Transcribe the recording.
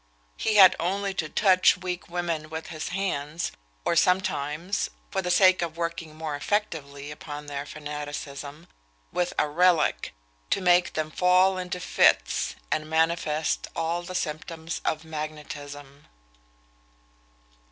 He had only to touch weak women with his hands, or sometimes (for the sake of working more effectively upon their fanaticism) with a relic, to make them fall into fits, and manifest all the symptoms of magnetism.